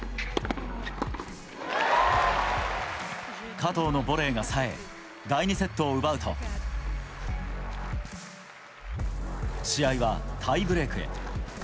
加藤のボレーが冴え、第２セットを奪うと、試合はタイブレークへ。